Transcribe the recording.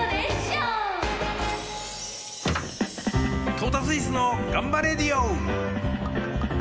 「トータスイスのがんばレディオ！」。